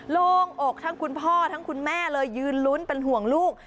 โล่งอกทั้งคุณพ่อทั้งคุณแม่เลยยืนลุ้นเป็นห่วงลูก